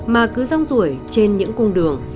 mà cứ rong rủi trên những cung đường